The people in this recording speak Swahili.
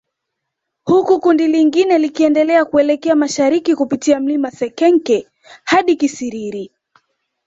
Huku kundi lingine likiendelea kuelekea mashariki kupitia mlima Sekenke hadi Kisiriri